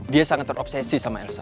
dia sangat terobsesi sama elsa